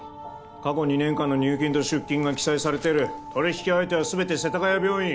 過去２年間の入金と出金が記載されている取引相手は全て世田谷病院